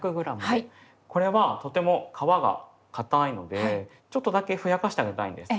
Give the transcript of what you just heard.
これはとても皮がかたいのでちょっとだけふやかしてあげたいんです。